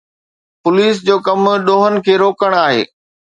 Police جو ڪم ڏوهن کي روڪڻ آهي.